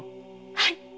はい。